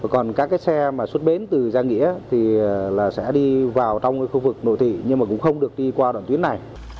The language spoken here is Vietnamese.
còn các xe xuất bến từ giang nghĩa sẽ đi vào trong khu vực nội thị nhưng cũng không được đi qua đoạn tuyến này